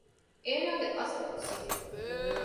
އޭނާގެ އަސްލު ސިފަ